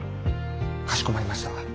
かしこまりました。